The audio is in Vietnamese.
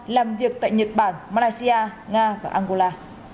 làm việc tại nhật bản malaysia nga và angola